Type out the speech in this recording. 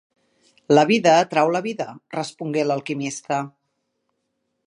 "La vida atrau la vida", respongué l'alquimista.